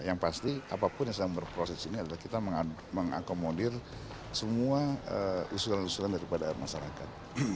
yang pasti apapun yang sedang berproses ini adalah kita mengakomodir semua usulan usulan daripada masyarakat